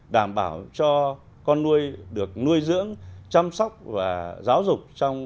đảm bảo cho con nuôi được nuôi dưỡng chăm sóc và giáo dục trong